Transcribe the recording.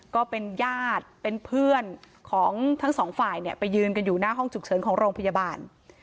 ก็เป็นญาติเป็นเพื่อนของทั้งสองฝ่ายเนี่ยไปยืนกันอยู่หน้าห้องฉุกเฉินของโรงพยาบาล